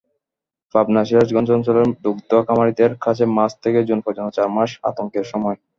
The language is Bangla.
পাবনা-সিরাজগঞ্জ অঞ্চলের দুগ্ধ খামারিদের কাছে মার্চ থেকে জুন পর্যন্ত চার মাস আতঙ্কের সময়।